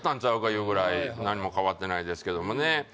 いうぐらい何も変わってないですけどもね